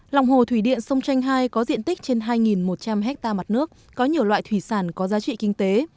lòng hồ thủy điện sông chanh hai có diện tích trên hai một trăm linh ha mặt nước có nhiều loại thủy sản có giá trị kinh tế